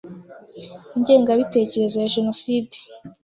Ingengabitekerezo ya genoside